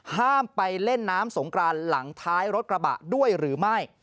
ห้ามไปเล่นน้ำสงกรานหลังท้ายรถกระบะด้วยหรือไม่